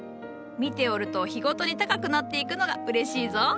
見ておると日ごとに高くなっていくのがうれしいぞ。